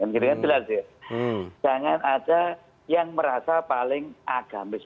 jangan ada yang merasa paling agamis